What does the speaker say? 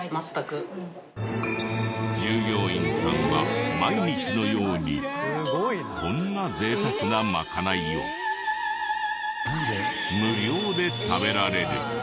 従業員さんは毎日のようにこんな贅沢なまかないを無料で食べられる。